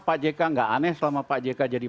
pak jk nggak aneh selama pak jk jadi